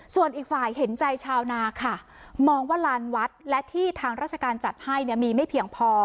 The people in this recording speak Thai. ส่วนอีกฝ่ายเห็นใจชาวนาค่ะมองว่าลานวัดและที่ทางราชการจัดให้เนี่ยมีไม่เพียงพอ